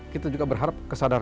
kita juga berharap kesadaran